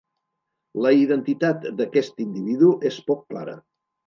La identitat d'aquest individu és poc clara.